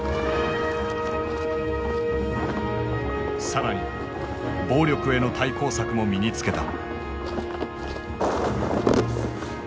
更に暴力への対抗策も身につけた。